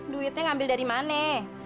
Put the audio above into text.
duitnya ngambil dari mana